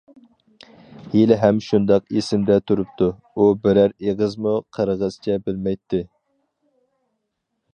ھېلىھەم شۇنداق ئېسىمدە تۇرۇپتۇ، ئۇ بىرەر ئېغىزمۇ قىرغىزچە بىلمەيتتى.